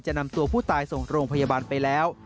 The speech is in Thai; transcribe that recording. นำตัวผู้ตายส่งโรงพยาบาลไปแล้ว